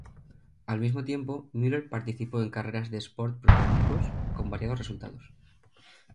Al mismo tiempo, Müller participó en carreras de sport prototipos con variados resultados.